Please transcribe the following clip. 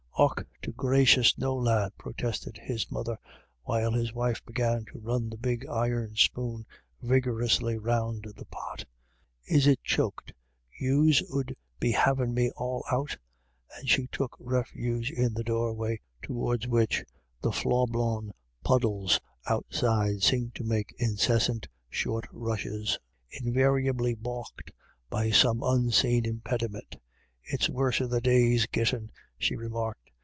" Och to gracious, no lad," protested his mother, while his wife began to run the big iron spoon vigorously round the pot "Is it choked yous 'ud be havin' me all out?" And she took refuge in the doorway, towards which the flaw blown puddles outside seemed to make incessant short rushes, invariably baulked by some unseen im pediment " It's worser the day's gittin," she remarked.